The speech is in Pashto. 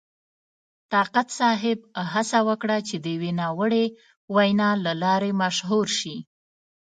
طاقت صاحب هڅه وکړه چې د یوې ناوړې وینا له لارې مشهور شي.